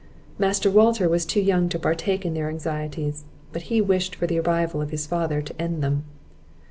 Master Walter was too young to partake of their anxieties, but he wished for the arrival of his father to end them.